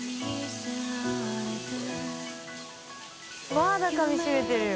まだかみしめてるよ！